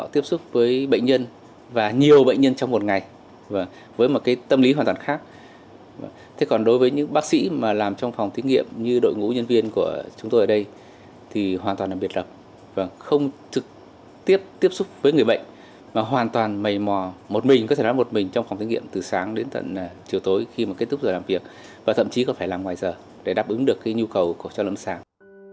từ sáng đến tận chiều tối khi mà kết thúc giờ làm việc và thậm chí có phải làm ngoài giờ để đáp ứng được cái nhu cầu của cho lẫn sáng